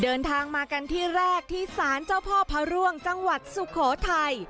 เดินทางมากันที่แรกที่สารเจ้าพ่อพระร่วงจังหวัดสุโขทัย